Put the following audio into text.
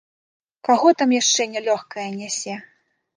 Каго там яшчэ нялёгкае нясе?!